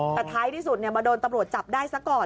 แต่ท้ายที่สุดมาโดนตำรวจจับได้ซะก่อน